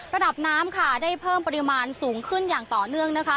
ระดับน้ำค่ะได้เพิ่มปริมาณสูงขึ้นอย่างต่อเนื่องนะคะ